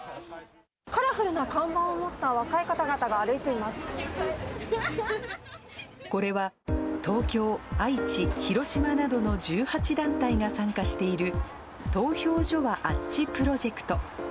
カラフルな看板を持った若いこれは東京、愛知、広島などの１８団体が参加している、投票所はあっちプロジェクト。